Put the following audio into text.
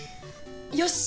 よし。